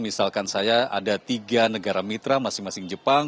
misalkan saya ada tiga negara mitra masing masing jepang